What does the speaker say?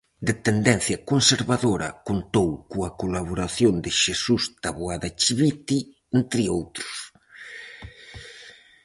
De tendencia conservadora, contou coa colaboración de Xesús Taboada Chivite, entre outros.